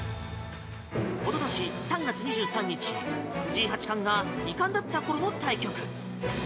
おととし３月２３日藤井八冠が二冠だった頃の対局。